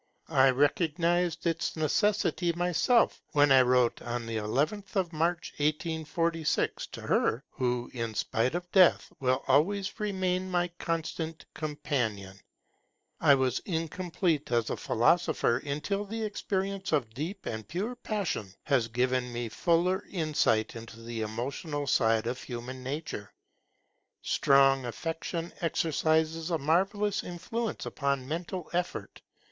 I recognized its necessity myself, when I wrote on the 11th of March, 1846, to her who, in spite of death, will always remain my constant companion: 'I was incomplete as a philosopher, until the experience of deep and pure passion has given me fuller insight into the emotional side of human nature'. Strong affection exercises a marvellous influence upon mental effort.